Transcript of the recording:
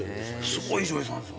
すごい女優さんです